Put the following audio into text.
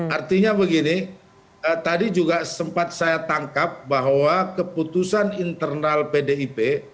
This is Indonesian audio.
artinya begini tadi juga sempat saya tangkap bahwa keputusan internal pdip